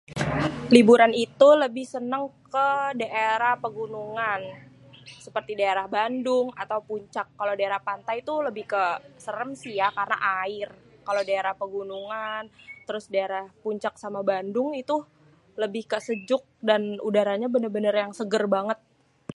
Liburan itu lebih seneng ke daerah pegunungan, seperti daerah Bandung, atau Puncak kalau daerah pantai tuh lebih ke serem sih ya karna air, kalo daerah pegunungan, trus daerah puncak sama bandung itu lebih ke sejuk dan udaranya bener-bener udara yang seger banget.